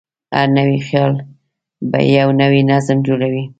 هر نوی خیال یو نوی نظم جوړوي.